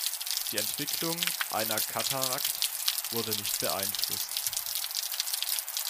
Die Entwicklung einer Katarakt wurde nicht beeinflusst.